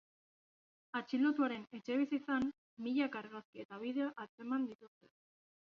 Atxilotuaren etxebizitzan milaka argazki eta bideo atzeman dituzte.